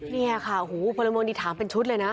นี่ค่ะหูพลเมืองดีถามเป็นชุดเลยนะ